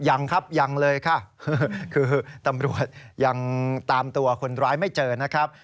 ยังครับยังเลยค่ะคือตำรวจยังตามตัวคนร้ายไม่เจอนะครับ